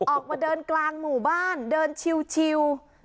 ออกมาเดินกลางหมู่บ้านเดินชิว